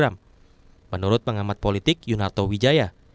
menurut pengamat politik yunarto wijaya